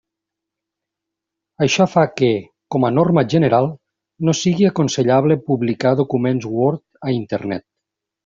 Això fa que, com a norma general, no sigui aconsellable publicar documents Word a Internet.